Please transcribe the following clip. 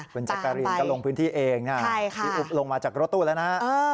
คุณแจ๊กกะรีนก็ลงพื้นที่เองพี่อุ๊บลงมาจากรถตู้แล้วนะฮะ